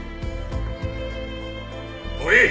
もういい！